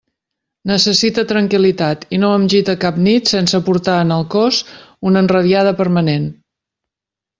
Necessite tranquil·litat, i no em gite cap nit sense portar en el cos una enrabiada permanent.